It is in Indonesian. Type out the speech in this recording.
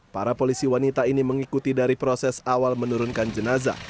para polisi wanita ini mengikuti dari proses awal menurunkan jenazah